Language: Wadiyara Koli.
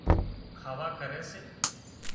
کاوا ڪري سي